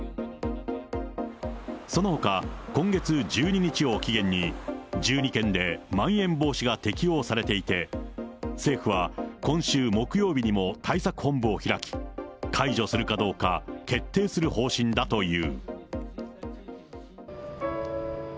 そのほか、今月１２日を期限に、１２県でまん延防止が適用されていて、政府は今週木曜日にも対策本部を開き、解除するかどうか決定する方針だという。